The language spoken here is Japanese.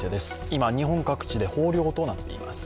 今、日本各地で豊漁となっています